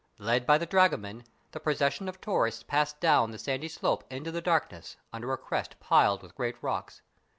Led by the dragoman, the procession of tourists passed down the sandy slope into the darkness, under a crest piled with great rocks.